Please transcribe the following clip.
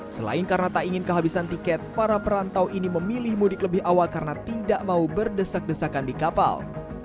selain karena tak ingin kehabisan tiket para perantau ini memilih mudik lebih awal karena tidak mau berdesak desakan di kapal